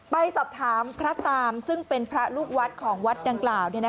ไปสอบถามพระตามซึ่งเป็นพระลูกวัดของวัดดังกล่าว